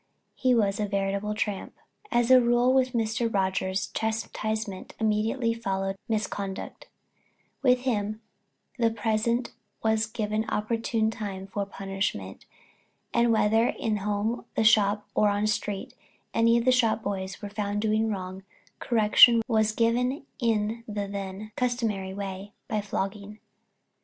He was a veritable tramp. As a rule with Mr. Rogers, chastisement immediately followed misconduct; with him the present was the opportune time for punishment, and whether in the home, the shop, or on the street, any of the shop boys were found doing wrong, correction was given in the then customary way by flogging.